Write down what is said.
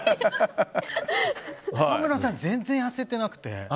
岡村さん、全然痩せてなくて。